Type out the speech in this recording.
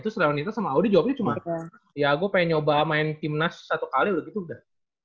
terus real nita sama audi jawabnya cuma ya gue pengen nyoba main timnas satu kali udah gitu udah